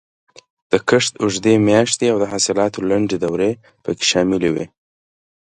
د کښت اوږدې میاشتې او د حاصلاتو لنډې دورې پکې شاملې وې.